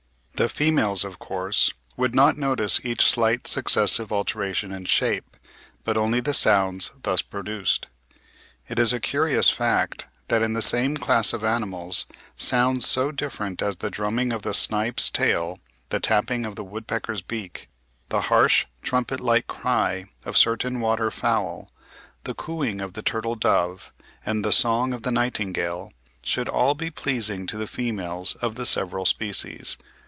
The females, of course, would not notice each slight successive alteration in shape, but only the sounds thus produced. It is a curious fact that in the same class of animals, sounds so different as the drumming of the snipe's tail, the tapping of the woodpecker's beak, the harsh trumpet like cry of certain water fowl, the cooing of the turtle dove, and the song of the nightingale, should all be pleasing to the females of the several species.